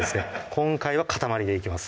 今回は塊でいきます